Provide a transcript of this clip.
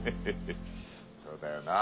そうだよなぁ。